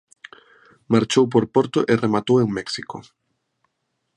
Marchou por Porto e rematou en México.